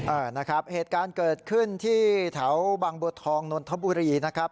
เออนะครับเหตุการณ์เกิดขึ้นที่แถวบางบัวทองนนทบุรีนะครับ